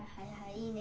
いいね？